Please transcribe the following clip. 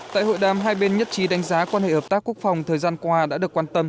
tại hội đàm hai bên nhất trí đánh giá quan hệ hợp tác quốc phòng thời gian qua đã được quan tâm